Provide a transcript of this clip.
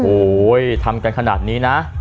อ๋อโอ้ยทำกันขนาดนี้นะ